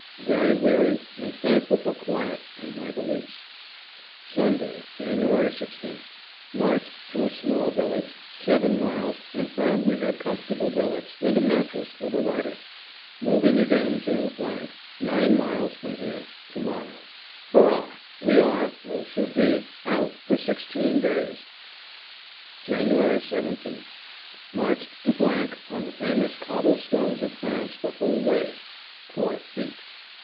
Very weary, and thankful for quiet and my valise. Sunday, Jan. 16th. Marched to a small village seven miles, and found we had comfortable billets, and a mattress for the writer. Moving again to , nine miles from here, to morrow. HURRAH! We are (or should be) "out" for sixteen days. Jan. 17th. Marched to on the famous cobble stones of France the whole way. Poor feet!